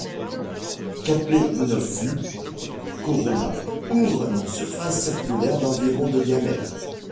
Kapenopfu Corona couvre une surface circulaire d'environ de diamètre.